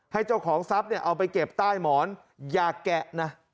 เจ้าของทรัพย์เนี่ยเอาไปเก็บใต้หมอนอย่าแกะนะ